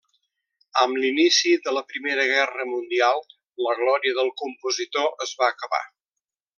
Amb l’inici de la primera guerra mundial, la glòria del compositor es va acabar.